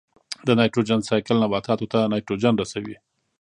د نایټروجن سائیکل نباتاتو ته نایټروجن رسوي.